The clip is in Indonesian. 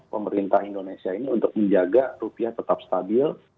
pemerintah indonesia ini untuk menjaga rupiah tetap stabil